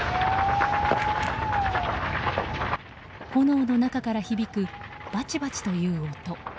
炎の中から響くバチバチという音。